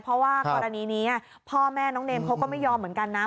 เพราะว่ากรณีนี้พ่อแม่น้องเนมเขาก็ไม่ยอมเหมือนกันนะ